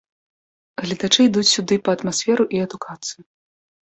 Гледачы ідуць сюды па атмасферу і адукацыю.